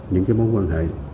những mối quan hệ